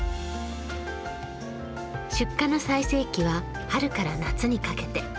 出荷の最盛期は春から夏にかけて。